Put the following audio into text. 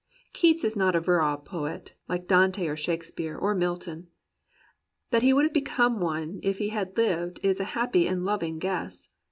Keats is not a virile poet, Kke Dante or Shake speare or Milton; that he would have become one if he had Uved is a happy and loving guess.